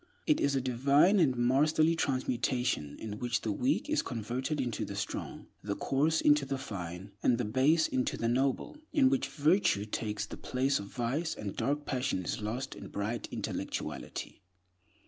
It is a divine and masterly transmutation in which the weak is converted into the strong, the coarse into the fine, and the base into the noble; in which virtue takes the place of vice, and dark passion is lost in bright intellectuality.